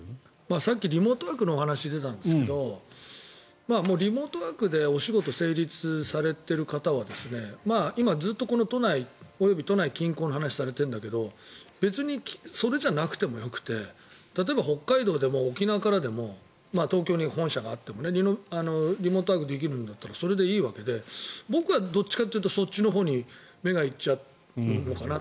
さっきリモートワークのお話出たんですがリモートワークでお仕事成立されている方は今、ずっと都内及び都内近郊の話をされているんだけど別にそれじゃなくてもよくて例えば、北海道でも沖縄からでも東京に本社があってもリモートワークできるんだったらそれでいいわけで僕はどっちかというとそっちのほうに目が行っちゃうのかな。